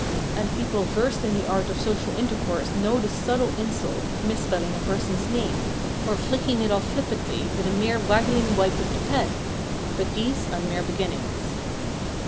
And people versed in the arts of social intercourse know the subtle insult of misspelling a person's name, or flicking it off flippantly with a mere waggling wipe of the pen. But these are mere beginnings.